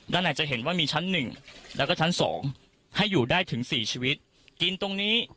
ด้านในจะเห็นว่ามีชั้นหนึ่งแล้วก็ชั้นสองให้อยู่ได้ถึงสี่ชีวิตกินตรงนี้